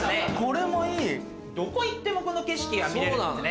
どこ行ってもこの景色が見れるんですね。